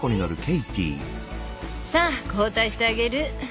さぁ交代してあげる。